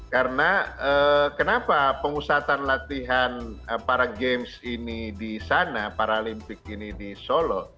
karena kenapa pengusatan latihan para games ini di sana para olympic ini di solo